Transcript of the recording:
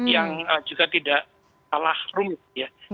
yang juga tidak salah rumit ya